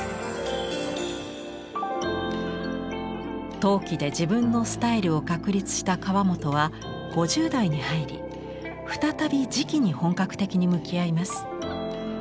陶器で自分のスタイルを確立した河本は５０代に入り再び磁器に本格的に向き合います。